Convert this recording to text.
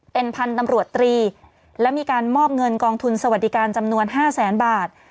เป็นพันธุ์ตำรวจตรีและมีการมอบเงินกองทุนสวัสดิการจำนวน๕แสนบาท